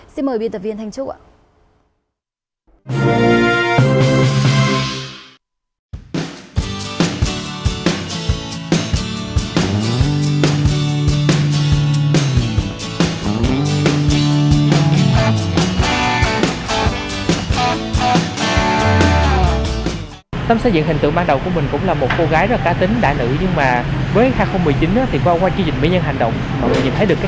xin mời biên tập viên thanh trúc ạ